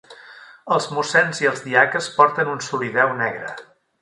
Els mossens i els diaques porten un solideu negre.